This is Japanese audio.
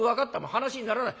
話にならない。